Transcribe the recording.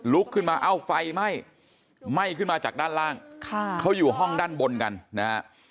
ขึ้นมาเอ้าไฟไหม้ไหม้ขึ้นมาจากด้านล่างเขาอยู่ห้องด้านบนกันนะฮะ